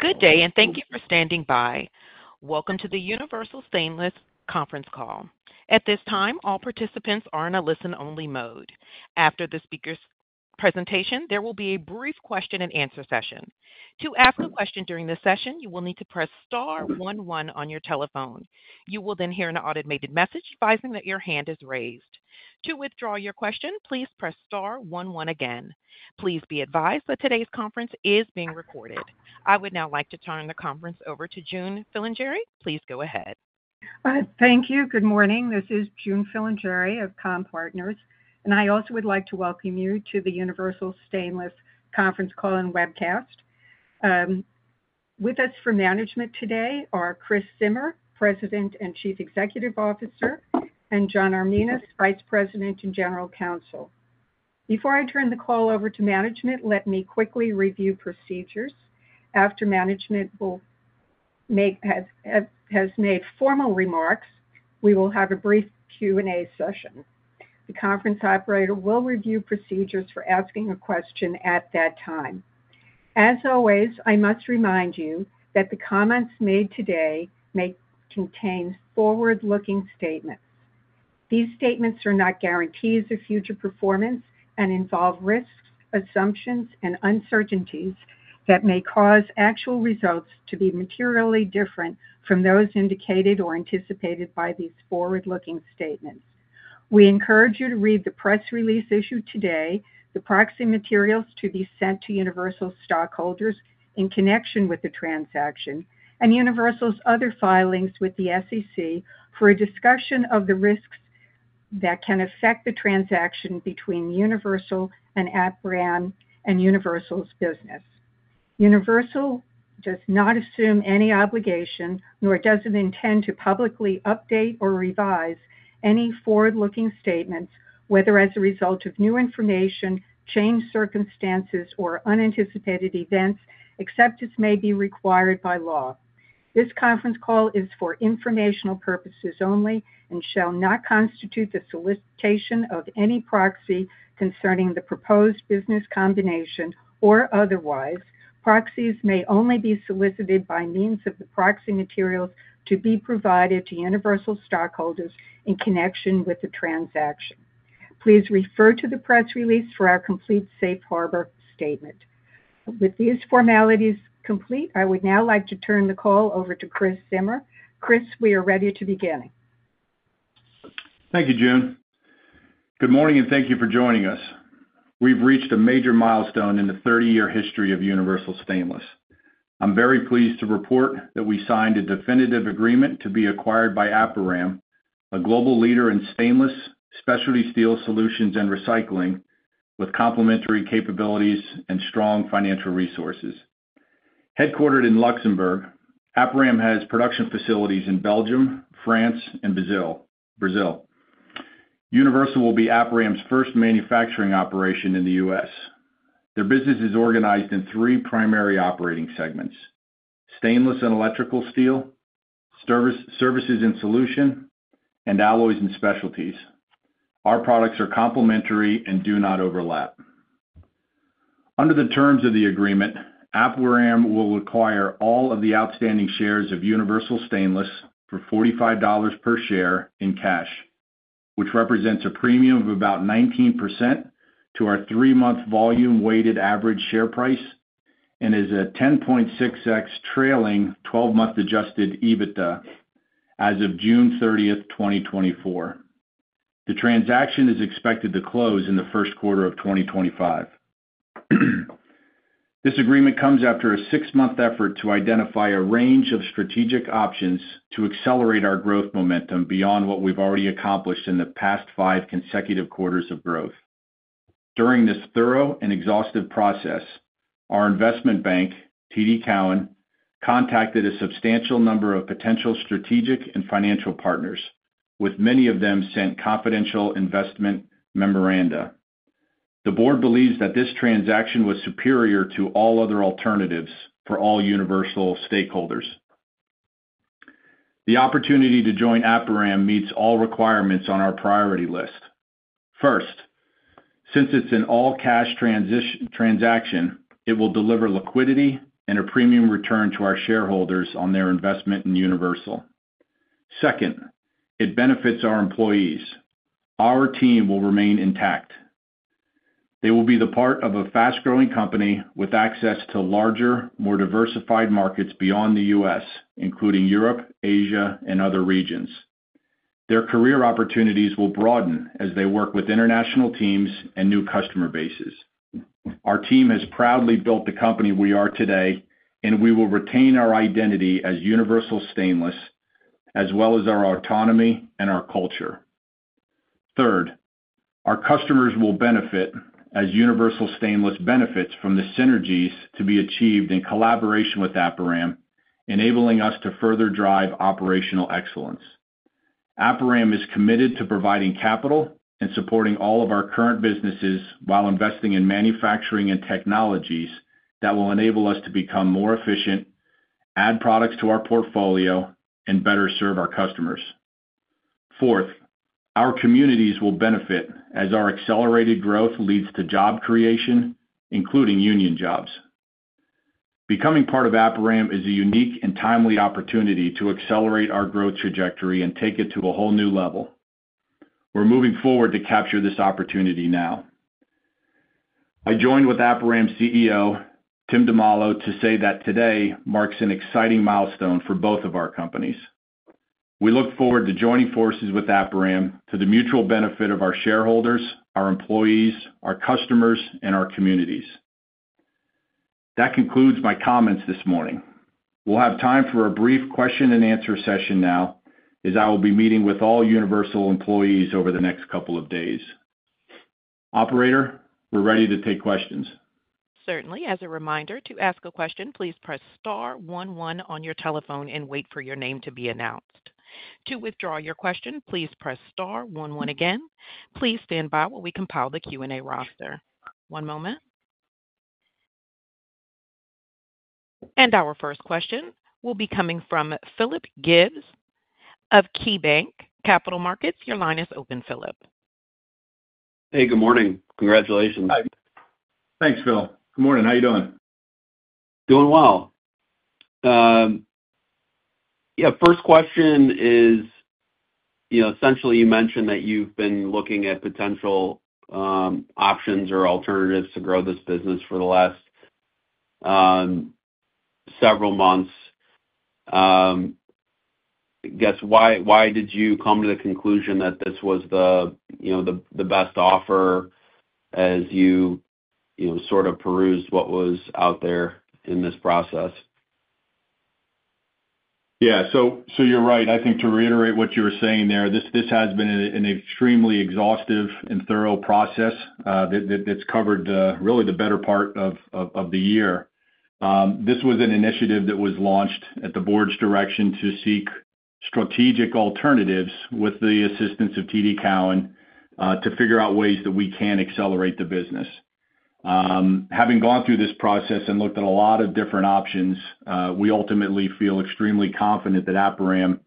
Good day, and thank you for standing by. Welcome to the Universal Stainless conference call. At this time, all participants are in a listen-only mode. After the speaker's presentation, there will be a brief question-and-answer session. To ask a question during this session, you will need to press star one one on your telephone. You will then hear an automated message advising that your hand is raised. To withdraw your question, please press star one one again. Please be advised that today's conference is being recorded. I would now like to turn the conference over to June Filingeri. Please go ahead. Thank you. Good morning. This is June Filingeri of Comm-Partners, and I also would like to welcome you to the Universal Stainless conference call and webcast. With us for management today are Chris Zimmer, President and Chief Executive Officer, and John Arminas, Vice President and General Counsel.Before I turn the call over to management, let me quickly review procedures. After management has made formal remarks, we will have a brief Q&A session. The conference operator will review procedures for asking a question at that time. As always, I must remind you that the comments made today may contain forward-looking statements. These statements are not guarantees of future performance and involve risks, assumptions, and uncertainties that may cause actual results to be materially different from those indicated or anticipated by these forward-looking statements. We encourage you to read the press release issued today, the proxy materials to be sent to Universal stockholders in connection with the transaction, and Universal's other filings with the SEC for a discussion of the risks that can affect the transaction between Universal and Aperam and Universal's business. Universal does not assume any obligation, nor does it intend to publicly update or revise any forward-looking statements, whether as a result of new information, changed circumstances, or unanticipated events, except as may be required by law. This conference call is for informational purposes only and shall not constitute the solicitation of any proxy concerning the proposed business combination or otherwise. Proxies may only be solicited by means of the proxy materials to be provided to Universal stockholders in connection with the transaction. Please refer to the press release for our complete safe harbor statement. With these formalities complete, I would now like to turn the call over to Chris Zimmer. Chris, we are ready to begin. Thank you, June. Good morning, and thank you for joining us. We've reached a major milestone in the thirty-year history of Universal Stainless. I'm very pleased to report that we signed a definitive agreement to be acquired by Aperam, a global leader in stainless specialty steel solutions and recycling, with complementary capabilities and strong financial resources. Headquartered in Luxembourg, Aperam has production facilities in Belgium, France, and Brazil. Universal will be Aperam's first manufacturing operation in the US. Their business is organized in three primary operating segments: stainless and electrical steel, services and solutions, and alloys and specialties. Our products are complementary and do not overlap. Under the terms of the agreement, Aperam will acquire all of the outstanding shares of Universal Stainless for $45 per share in cash, which represents a premium of about 19% to our three-month volume-weighted average share price and is a 10.6x trailing 12-month Adjusted EBITDA as of June 30th, 2024. The transaction is expected to close in the first quarter of 2025. This agreement comes after a six-month effort to identify a range of strategic options to accelerate our growth momentum beyond what we've already accomplished in the past five consecutive quarters of growth. During this thorough and exhaustive process, our investment bank, TD Cowen, contacted a substantial number of potential strategic and financial partners, with many of them sent confidential investment memoranda. The board believes that this transaction was superior to all other alternatives for all Universal stakeholders. The opportunity to join Aperam meets all requirements on our priority list. First, since it's an all-cash transaction, it will deliver liquidity and a premium return to our shareholders on their investment in Universal. Second, it benefits our employees. Our team will remain intact. They will be the part of a fast-growing company with access to larger, more diversified markets beyond the U.S., including Europe, Asia, and other regions. Their career opportunities will broaden as they work with international teams and new customer bases. Our team has proudly built the company we are today, and we will retain our identity as Universal Stainless, as well as our autonomy and our culture. Third, our customers will benefit as Universal Stainless benefits from the synergies to be achieved in collaboration with Aperam, enabling us to further drive operational excellence. Aperam is committed to providing capital and supporting all of our current businesses while investing in manufacturing and technologies that will enable us to become more efficient, add products to our portfolio, and better serve our customers. Fourth, our communities will benefit as our accelerated growth leads to job creation, including union jobs. Becoming part of Aperam is a unique and timely opportunity to accelerate our growth trajectory and take it to a whole new level. We're moving forward to capture this opportunity now. I joined with Aperam's CEO, Timoteo Di Maulo, to say that today marks an exciting milestone for both of our companies. We look forward to joining forces with Aperam to the mutual benefit of our shareholders, our employees, our customers, and our communities. That concludes my comments this morning. We'll have time for a brief question and answer session now, as I will be meeting with all Universal employees over the next couple of days. Operator, we're ready to take questions. Certainly. As a reminder, to ask a question, please press star one one on your telephone and wait for your name to be announced. To withdraw your question, please press star one one again. Please stand by while we compile the Q&A roster. One moment, and our first question will be coming from Philip Gibbs of KeyBanc Capital Markets. Your line is open, Philip. Hey, good morning. Congratulations. Thanks, Phil. Good morning. How are you doing? Doing well. Yeah, first question is, you know, essentially, you mentioned that you've been looking at potential options or alternatives to grow this business for the last several months. I guess, why, why did you come to the conclusion that this was the, you know, the best offer as you, you know, sort of perused what was out there in this process? Yeah, so you're right. I think to reiterate what you were saying there, this has been an extremely exhaustive and thorough process that that's covered really the better part of the year. This was an initiative that was launched at the board's direction to seek strategic alternatives with the assistance of TD Cowen to figure out ways that we can accelerate the business. Having gone through this process and looked at a lot of different options, we ultimately feel extremely confident that Aperam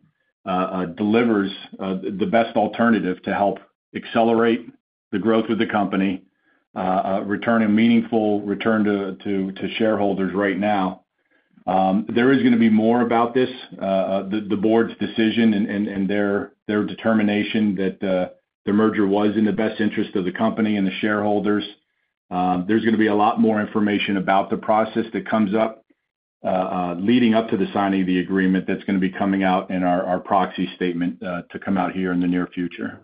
delivers the best alternative to help accelerate the growth of the company, return a meaningful return to shareholders right now. There is gonna be more about this, the board's decision and their determination that the merger was in the best interest of the company and the shareholders. There's gonna be a lot more information about the process that comes up leading up to the signing of the agreement that's gonna be coming out in our proxy statement to come out here in the near future.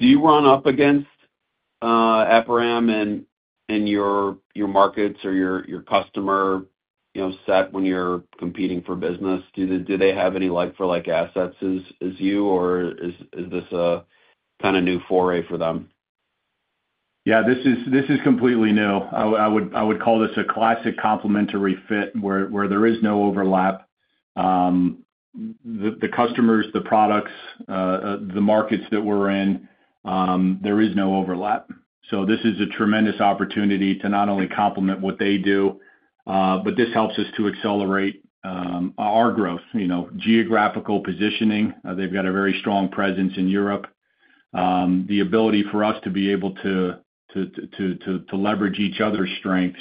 Do you run up against Aperam in your markets or your customer, you know, set when you're competing for business? Do they have any like-for-like assets as you, or is this a kinda new foray for them? Yeah, this is, this is completely new. I would, I would call this a classic complementary fit, where, where there is no overlap. The customers, the products, the markets that we're in, there is no overlap. So this is a tremendous opportunity to not only complement what they do, but this helps us to accelerate our growth. You know, geographical positioning, they've got a very strong presence in Europe. The ability for us to be able to leverage each other's strengths,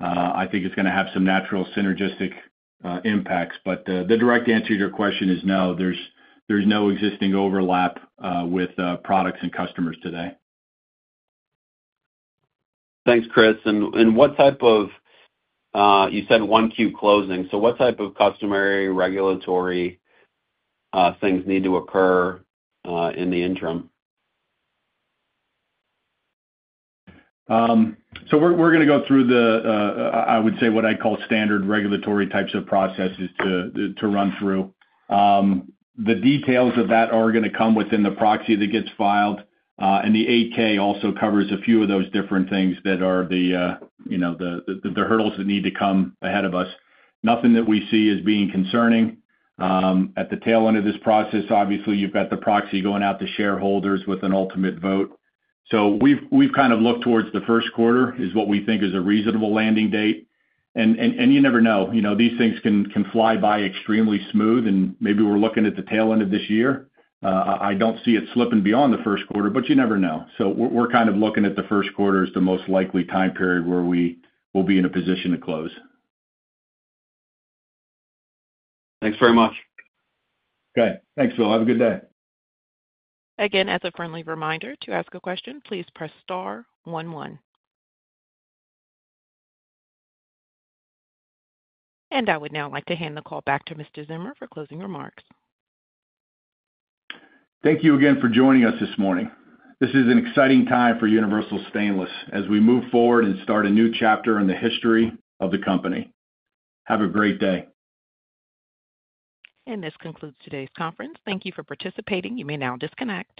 I think is gonna have some natural synergistic impacts. But the direct answer to your question is no, there's no existing overlap with products and customers today. Thanks, Chris. And what type of, you said 1Q closing, so what type of customary regulatory things need to occur in the interim? So we're gonna go through the, I would say, what I call standard regulatory types of processes to run through. The details of that are gonna come within the proxy that gets filed, and the 8-K also covers a few of those different things that are the, you know, the hurdles that need to come ahead of us. Nothing that we see as being concerning. At the tail end of this process, obviously, you've got the proxy going out to shareholders with an ultimate vote. So we've kind of looked towards the first quarter, is what we think is a reasonable landing date. And you never know, you know, these things can fly by extremely smooth, and maybe we're looking at the tail end of this year. I don't see it slipping beyond the first quarter, but you never know. So we're kind of looking at the first quarter as the most likely time period where we will be in a position to close. Thanks very much. Okay. Thanks, Phil. Have a good day. Again, as a friendly reminder, to ask a question, please press star one one. And I would now like to hand the call back to Mr. Zimmer for closing remarks. Thank you again for joining us this morning. This is an exciting time for Universal Stainless as we move forward and start a new chapter in the history of the company. Have a great day. This concludes today's conference. Thank you for participating. You may now disconnect.